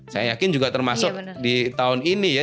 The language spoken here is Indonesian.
saya yakin juga termasuk di tahun ini ya